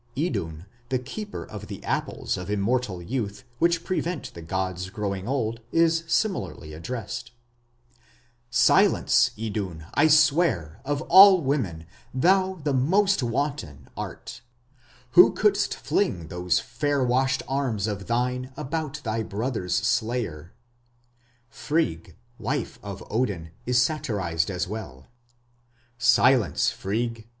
Idun, the keeper of the apples of immortal youth, which prevent the gods growing old, is similarly addressed: Silence, Idun! I swear, of all women Thou the most wanton art; Who couldst fling those fair washed arms of thine About thy brother's slayer. Frigg, wife of Odin, is satirized as well: Silence, Frigg!